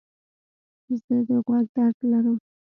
زه د غوږ درد لرم.